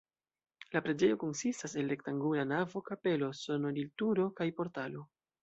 La preĝejo konsistas el rektangula navo, kapelo, sonorilturo kaj portalo.